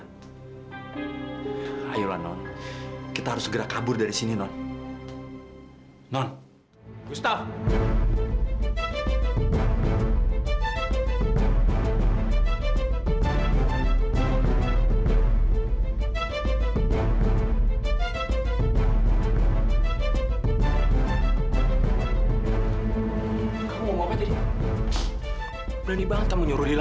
sampai jumpa di video selanjutnya